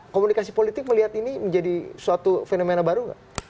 komunikasi politik melihat ini menjadi suatu fenomena baru nggak